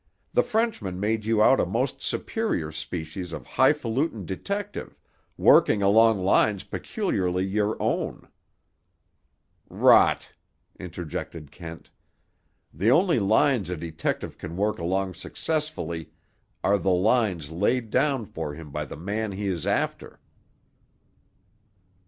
The Frenchman made you out a most superior species of highfalutin detective, working along lines peculiarly your own—" "Rot!" interjected Kent. "The only lines a detective can work along successfully are the lines laid down for him by the man he is after."